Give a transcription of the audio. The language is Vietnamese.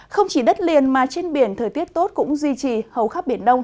không chỉ đất liền mà trên biển thời tiết tốt cũng duy trì hầu khắp biển đông